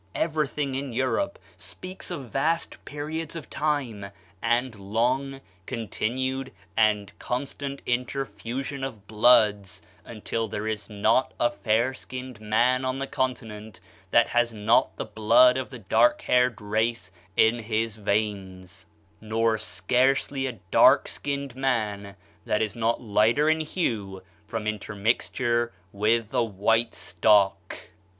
Everything in Europe speaks of vast periods of time and long, continued and constant interfusion of bloods, until there is not a fair skinned man on the Continent that has not the blood of the dark haired race in his veins; nor scarcely a dark skinned man that is not lighter in hue from intermixture with the white stock.